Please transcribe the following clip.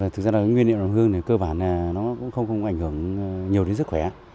thực ra là nguyên liệu làm hương này cơ bản nó cũng không ảnh hưởng nhiều đến sức khỏe